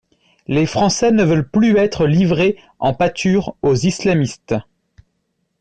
Les Français ne veulent plus être livrés en pâture aux islamistes.